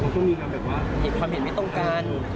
ผิดความเห็นไม่ต้องการ